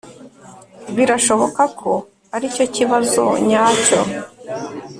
birashoboka ko aricyo kibazo nyacyo